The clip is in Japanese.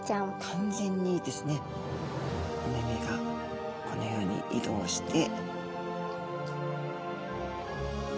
完全にですねお目々がこのように移動して。